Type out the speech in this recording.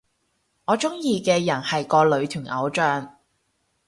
我鍾意嘅人係個女團偶像